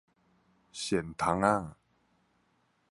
蟮蟲仔